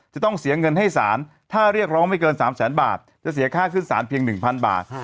จะต้องเสียเงินให้ศาลถ้าเรียกร้องไม่เกิน๓แสนบาทจะเสียค่าขึ้นสารเพียง๑๐๐๐บาท